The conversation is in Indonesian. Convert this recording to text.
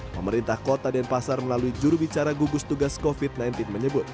pemerintah kota denpasar melalui jurubicara gugus tugas covid sembilan belas menyebut